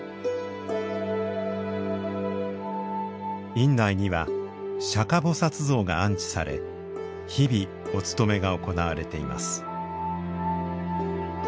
院内には釈迦菩薩像が安置され日々お勤めが行われています。